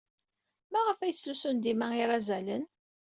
Maɣef ay ttlusun dima irazalen?